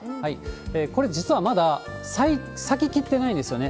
これ、実はまだ咲ききってないんですよね。